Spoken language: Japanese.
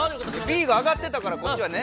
Ｂがあがってたからこっちはね